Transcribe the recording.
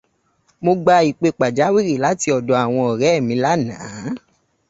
Mo gba ìpè pàjáwìrì láti ọ̀dọ̀ àwọn ọ̀rẹ́ mi laánàá.